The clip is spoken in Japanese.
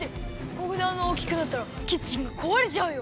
ここであんなにおおきくなったらキッチンがこわれちゃうよ！